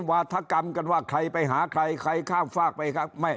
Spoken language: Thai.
วาธกรรมกันว่าใครไปหาใครใครข้ามฝากไปไม่